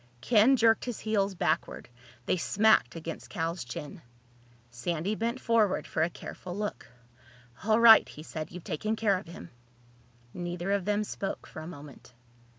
Ken jerked his heels backward. They smacked against Cal's chin. Sandy bent forward for a careful look. "All right," he said. "You've taken care of him." Neither of them spoke for a moment.